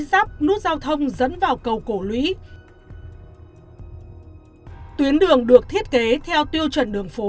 giáp nút giao thông dẫn vào cầu cổ lũy tuyến đường được thiết kế theo tiêu chuẩn đường phố